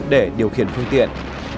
để điều khiển phương tiện